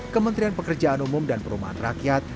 kementerian pekerjaan umum dan perumahan rakyat